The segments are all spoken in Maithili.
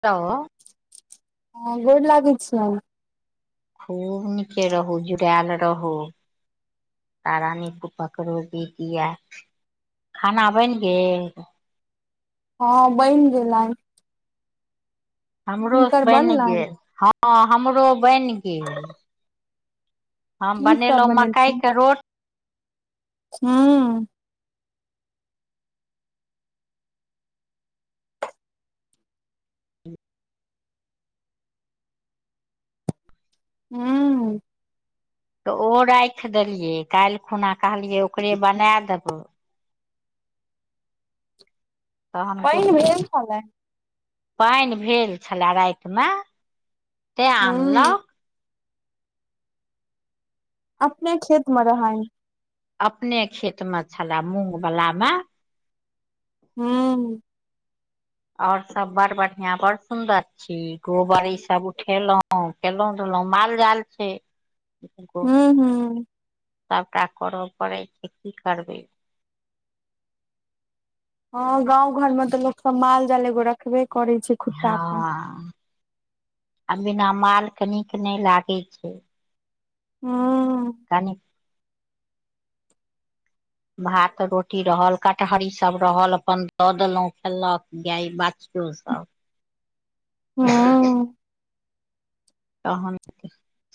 तो हँ गोर लागै छिएन- खूब नीके रहू जुड़ायल रहू। ताराानी पकरो दी दिया। खाना बनि गेल? हँ बैन गेलेन। हमरो हिनकर बनि बनलनि गेल हँ। हमरो बनि गेल। हम की सब बनेलहुँं मकई कऽ रोटी हू हू तऽ ओ राखि देलियै काल्हि खुना कहलियै ओकरे बना देबै तहन पहिन भेल छलैन पानि भेल छलए रातिमे तेऽ हूँ आनलहुँ अपने खेत मऽ रहैन अपने खेत मे छलए मूंग वला मे। हू। और सभ बड़ बढ़िया बड़ सुंदर छी गोबर ईसभ उठेलहुँ केलहूँ रहलहुँ माल जाल छै हू हू। सभटा करऽ पड़ै छै कि करबै। हँ गाव घर मे तऽ लोक सभ माल जाल एगो रखबे करै छै खुट्टा पर हँ आ बिना माल कनिक नहि लागै छै। हँ। कनि। भात रोटी रहल कटहरी सभ रहल अपन दऽ देलहुँ खेलल कऽ गाय बचत सभ हूँ तहन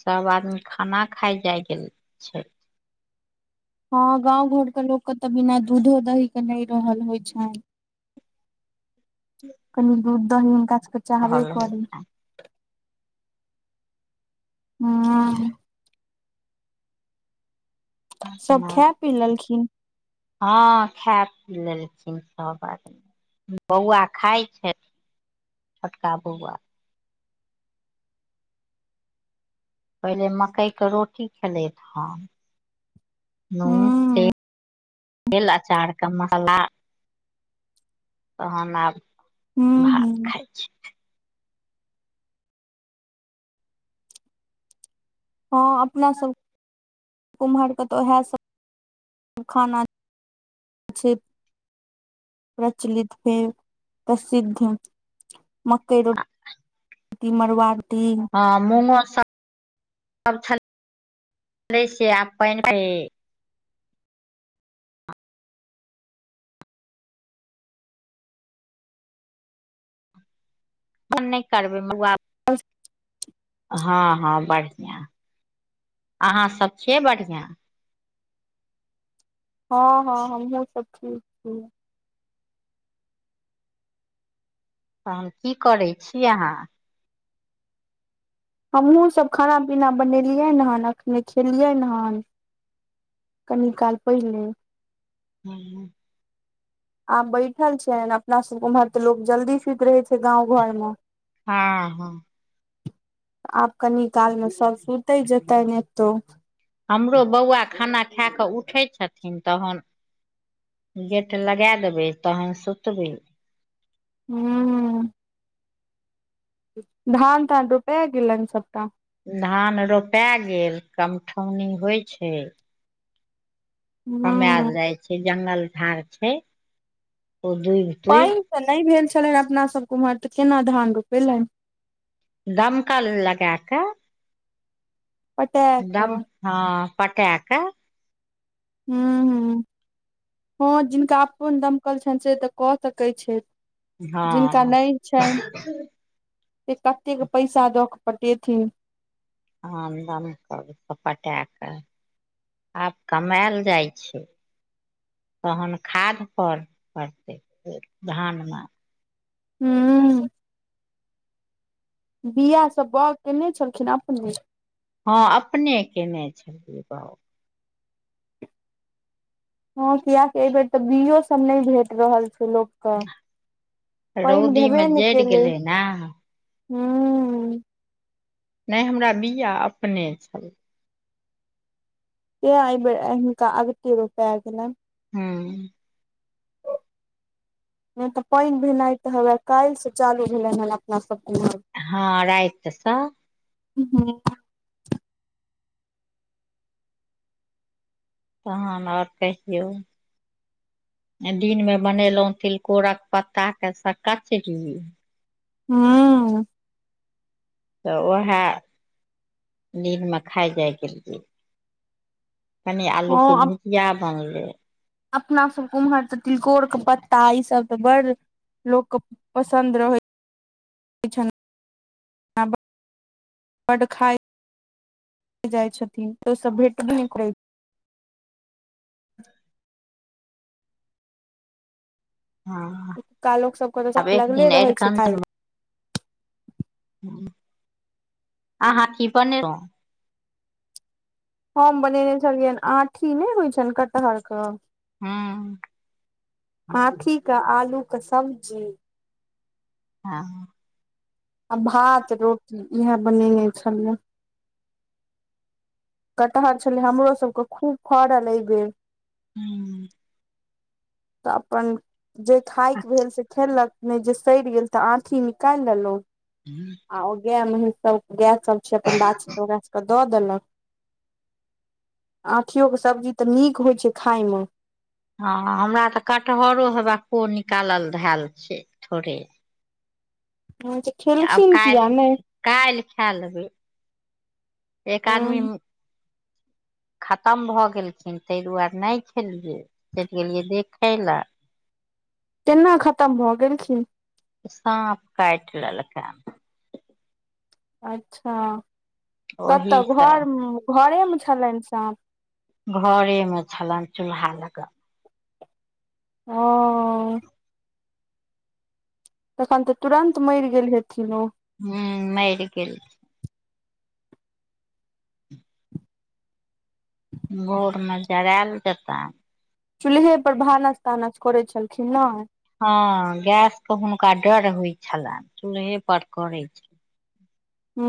सभ आदमी खाना खा जाय गेल छै। हँ गाव घर के लोक के तऽ बिना दूधो दही के नहि रहल होय छनि हूँ। कनि दूध दही हुनका सभके चाहबे करी छै। हँ। सभ खाय पी लेलखिन हँ खा पी लेलखिन सभ आद बौआ खाय छै छोटका बौआ पहिले मकई के रोटी खेले हन नून हूँ एल चार कमसला। तहन आब हूँ हूँ भात खाइ छी। हँ अपना सभ कुम्हरके तऽ ओएह सभ खाना अ प्रचलित हे प्रसिद्ध मकई रोटी। ती मरुआ रोटी ह मूो सभ छल से आब प न नहि करबै। अ। हँ हँ बढ़िआ अहाँ सभ छियै बढ़िआ हँ हँ हमहुँ सभ छी तऽ हम कि करै छी अहाँ हमहूँ सभ खाना पीना बनेलियै हँ एखने खेलियै हन कनिकाल पहिल हूँ। आब बैठल छै अपना सभ उम्हर तऽ लोको जल्दी सुति रहे छै गाव घर मे हँ हँ। आब कनि काल मे सभ सुते जेतै ने तो हमरो बौआ खाना खा कऽ उठै छथिन तहन। गेट लगा देबै तहन सुतबै। हूँ। धान धान रुपैग गेल लंग सभटा। धान रोपा गेल कमठौनी होइत छै। कमायल हूँ जाय छै जंगल झाड़ छै ओ दू पाइन तऽ नहि भेल छलनि अपना सभके ओम्हर तऽ केना धान रोपेलेन? दमकल लगा कऽ पटाए कऽ दम हँ पटा कऽ हू हू हँ जिनका अपनन दमकल छनि से तऽ कऽ सकै छैय जिनका हँ नहिै छनि से कतेक पैसा दऽ कऽ पटेथिन आम क पटा कऽ [unintelligible] आब कमाायल जाइ छैय तहन खाद पर पड़तै धानमे हू बिआ सब बाग केने छलखिन अपने हँ अपने केने छलियै बउग हँ कियकि एहि बेेर तऽ बियो सब नहि भेट रहल छै लोक तऽ पाइन रौदी मे भेबे नहि जरि केलै गेलै ने हू नहि हमरा बिआ अपने छलैय तआइ हिनका ऐबेर अगत रोपै गेलने [unintelligible] हँ नहि तऽ पाइन भेनाइ तऽ हमरा काल्हि से चालू भेलनि हेन अपना सब के हाँ, राइत सऽ ह हू [inaudible] तहन आओर कहियौ? आय दिन मे बनेलहुँं तिलकोरक पत्ता के सब कचरी हू [inaudible] तऽ वएह दिनमे खाइ जाइ गेलिये कनि आलूके भुजिया बनलै अपनासभके ओम्हर तऽ तिलकोरके पत्ता ईसभ तऽ बड़ लोक कऽ पसन्द रहै छैन [unintelligible] खा जाइ छथिन तऽ ओ सब भेटबे नहि करै छै [inaudible] हँ ऐतुका लोक सबके तऽ आब सोख एक लगले दिन रहै छै अरिकंचन खाय लय आहाँ कि बनेलों? हम बनेने छलियैनि आठी नहि होइ छनि कटहर कऽ हूँ आठी कऽ आलू कऽ सब्जी हँ आ भात रोटी इएह बनेने छलियै कटहर छलै हमरो सबके खूब फड़ल एहि बेर हूँ [inaudible] तऽ अपन जे खाायके भेल से खेलक नहि जे सड़ि गेल तऽ आठी निकाइल लेलों हूँ [inaudible] आ गाय मेहीस सब गाय सब छै अपन बाछी ओक सब [inaudible] दऽ देलक। आठियो कऽ सब्जी तऽ नीक होइ छै खाय मऽ हँ हमरा तऽ कटहरो हेवा को निकालल धएल छै थोड़े हँ जे [inaudible] आब कायल्ह, कायल्ह खा लेबै एक आदमी ह खतम भऽ गेलखिन ताहि दुआरे नहि खैलियै, चलि गेलियै देखय ल केना खतम भऽ गेलखिन? साँप काइट लेलकए। अच्छा, कतऽ ओहिसँ घर घरेमे छलइन साँप घरे मे छलन चूल्हा लगअ। ह। तखन तऽ तुरन्त मइर गेल हेथिन ओ हूँ मइर गेल। भोर मे जरायल जेतानि चूल्हे पर भानस तानस करे छलखिन हँ गैस के हुनका डर होइ छलन, चूल्हे पर करे छल। हू।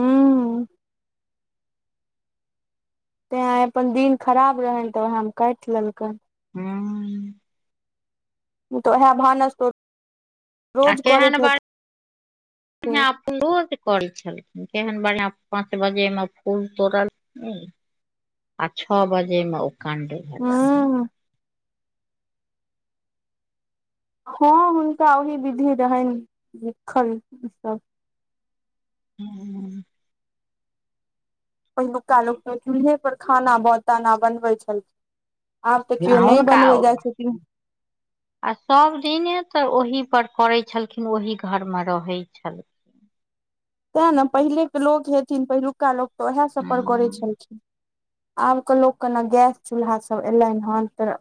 ते आय अपन दिन खराब रहैन तऽ ओएहमे कैट लेलकैन हू। तऽ उएह भानस तऽ आ रोज केहन करैत हेथिन। ऊ रोज करै छलखिन केहन बढ़िआ पाँच बजेमे फूल तोड़ल खिन आ छै बाजे ओ कण्डे भेलन ह ह हुनका ओहि विधि रहे लिखल ई सभ हूँ। पहिलुका लोक चूल्हे पर खाना ताना बनबे छलखिन। आब तऽ क्यो आ नहि हुनका बनबै जाए छथिन। आ सभ दिने तऽ ओहि पर करे छलखिन ओहि घर मे रहे छलखिन तै ने पहिलेके लोक हेथिन पहिलुका लोक तऽ उएह सभ पर करै छलखिन छलखिन आब के लोक के न गैस चूल्हा सभ एलैन ह त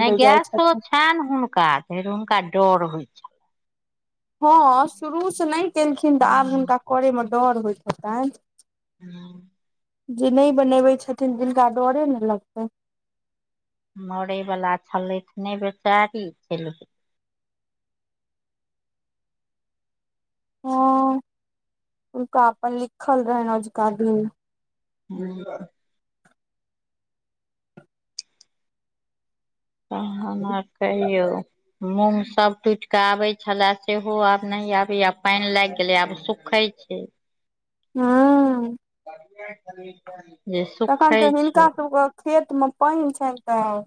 नै गैसो छैन हुनका फेर हुनका डर होइत छै ह शुरूसँ नहि केलखिन तऽ आब हुनका करय मे डर होइत हेतनि हूँ। जे नहि बनेबै छथिन जिनका डरे ने लगतै। मरय वला छलै तऽ नहि बेचारी चैल गेल ह उनका अपन लिखल रहैन अजुका दिन ह। तहन आहा कहियो। मूँग सभ टूट के आबे छले सेहो आब न आबे या आब पानि लागि गेले आब सुखे हूँ [unintelligible] तखन तऽ हिनका सभका खेत मे पानि छनि तऽ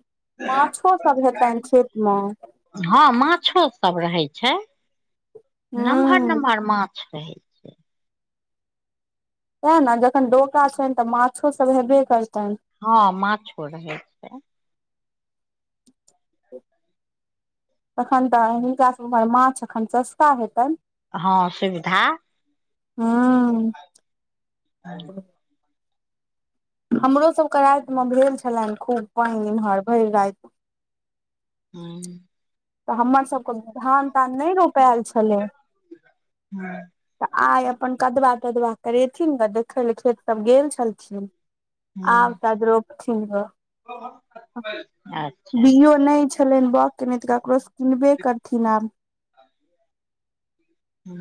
माछो सभ हेतनि खेत मे हँ माछो सभ रहे छै नमहर हूं नमहर माछ रहे छै ते ने जखन डोका छनि तऽ माछो सभ हेबे करतैन। हँ माछो रहै छै। एखन तऽ हिनका सभ उमहर माछ एखन सस्ता हेतैन। हँ सुविधा। ह आ। हमरो सभके राति मे भेल छलनि खूब पाइन इमहर भरि राति ह तऽ हमर सबके धान तान नहि रोपायल छलै [unintelligible] तऽ आइ अपन कदवा तदवा करेथिन ग देखै लऽ खेत सब गेल छलखिन आब तब रोपथिन ग [inaudible] अच्छा बीयो नै छलैन बाउग केने तऽ ककरो स किनबे करथिन आब [unintelligible] हू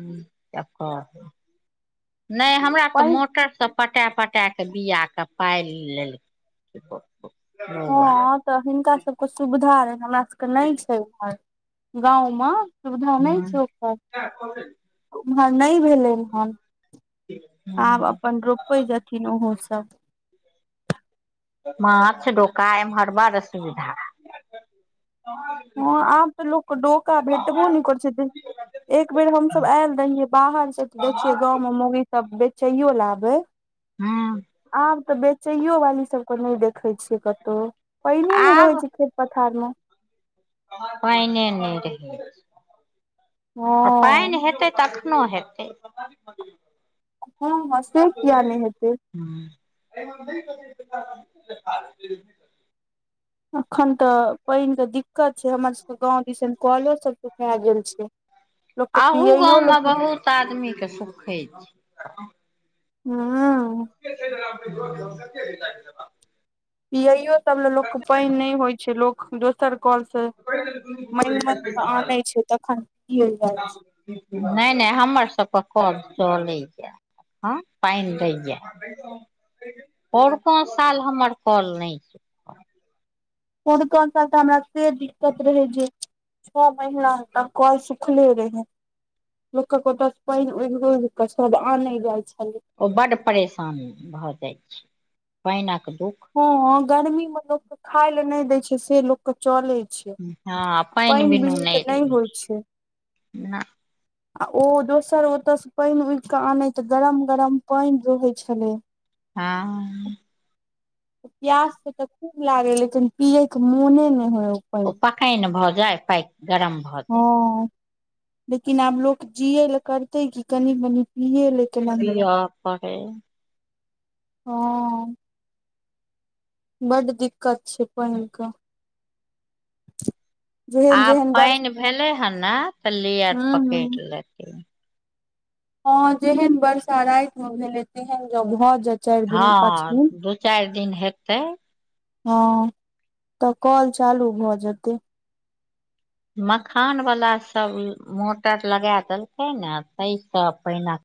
केकर [inaudible] नै हमरा तऽ पैघ मोटर सब पटा पटा केँ बीया केँ पाइल लेलकै [unintelligible] हँ तऽ हिनका सबक सुविधा हमरा सबक नै छै उमहर [inaudible] गाँवम सुविधा नै हूँ छै ओकर [inaudible] उम्हर नै भेलैन हन [inaudible] आब अपन रोप रोपाइ जेथिन ओहो सब माछ डोका एमहर बड़ सुविधा हँ आब तऽ लोक डोका भेट बौ नै कर छै तऽ एक बेर हम सब ऐल रहियै बाहर स तऽ देखियै गांव म मोगी तब बेचैयो लऽ आबै हूँ [inaudible] आब तऽ बेच चाइयो वाली सब कऽ नै देखे छियै कतौ पाइने नै रहै आब छै खेत पथार म पाइने नै रहै छै हँ [inaudible] आ पाइन हेतै तखन कनो हेतै [inaudible] ह ह से किया नै हेतै [unintelligible] अखन तऽ पाइन कऽ दिक्क त छै हमर सबक गाँव दिसन कलो सब सुखै गेल छै लोक कऽपियैयो लऽ तादमी कऽ सुखे छै [inaudible] [unintelligible] [unintelligible] पियैयो सब लऽ लोक कऽ पाइन नै होइ छै लोक दो सर कल से [inaudible] माइंग माइंग कऽ आनय छै तखन पिलय जाय छै नै नै हमर सब कऽ कल चलैय हँ पाइन दै यऽ पौउरका साल हमर कल नै पौउरका साल तऽ हमरा से दिक्कत रहै जे छ महीना तक कल सुखले रहे लोक ओत स पाइन उघ उघ कऽ सब आने जाइ छलै ओ बड्ड परेशानी भऽ जाइ छै पाइनक दुःख हँ गर्मी में लोक कऽ खाय ले नें दै छै से लोक चले छै हँ [inaudible] पानि पाइन बीनू तऽ नै होइ छै ना आ ओ दोसर ओते स पाइन उघ कऽ आने तऽ गरम गरम पाइन रहै छलै हँ प्यास स तऽ खूब लागे लेकिन पियै कऽ मोने नै होय उ पाइन ओ पाकाइन भऽ जा पै गरम भऽ जाय ह [inaudible] लेकिन आब लोक जियए लऽ करते कऽ कनि मनी पियए ले पिय पड़ै ह बड़ दिक्कत छै पहिन कऽ जेहन आब जेहन बर्ष पान भेले हन ने त लेयर हूँ पकड़ लेत ह जेहन वर्षा राति मे भेले तेहन ज भऽ जेत हँ दू चारि दिन हेतै। हँ तऽ कल चालू भऽ जेतै। मखान वला सभ मोटर लगा देलकै ने ताहिसँ पहिने